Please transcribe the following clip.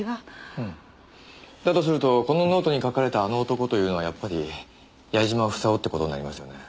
だとするとこのノートに書かれた「あの男」というのはやっぱり矢嶋房夫という事になりますよね？